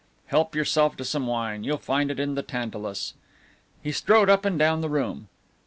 Help yourself to some wine, you'll find it in the tantalus." He strode up and down the room.